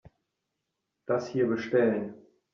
Das hier bestellen.